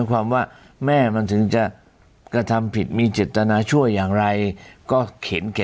ว่าแม่มันถึงจะกระทำผิดมีจิตตนาชั่วยังไรก็เข็นกะ